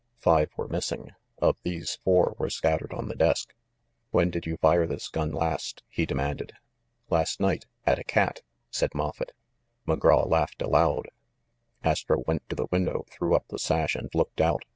Five were missing. Of these, four were scattered on the desk. "When did you fire this gun last?" he demanded. "Last night— at a cat," said Moffett. McGraw laughed aloud. Astro went to the window, threw up the sash, and looked out.